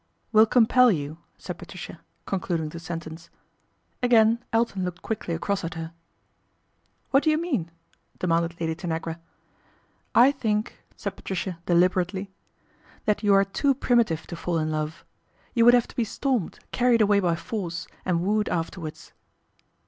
'Will compel you/' said Patricia, concradi sentence. Again Elton looked quickly across at her. M A TACTICAL BLUNDER 185 What do you mean ?" demanded Ladv i Tanagra. I think," said Patricia deliberately, " that are too primitive to fall in love. You would to be stormed, carried away by force, and wooed afterwards."